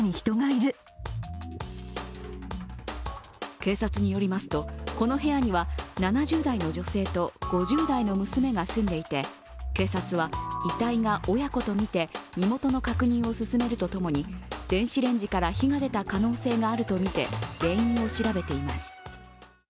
警察によりますと、この部屋には７０代の女性と５０代の娘が住んでいて警察は遺体が親子とみて、身元の確認を進めると共に電子レンジから火が出た可能性があるとみて原因を調べています。